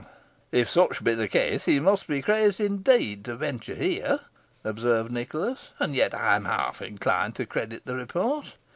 "If such be the case, he must be crazed indeed to venture here," observed Nicholas; "and yet I am half inclined to credit the report.